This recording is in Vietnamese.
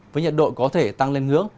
với nhiệt độ có thể tăng lên hướng